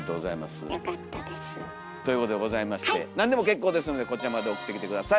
よかったです。ということでございましてなんでも結構ですのでこちらまで送ってきて下さい。